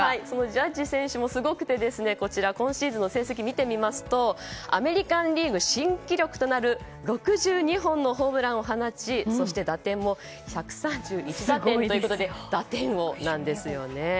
ジャッジ選手もすごくて今シーズンの成績を見るとアメリカン・リーグ新記録となる６２本のホームランを放ちそして打点も１３１打点ということで打点王なんですよね。